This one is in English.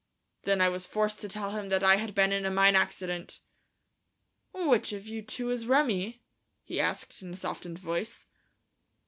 Then I was forced to tell him that I had been in a mine accident. "Which of you two is Remi?" he asked, in a softened voice.